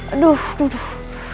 aduh aduh aduh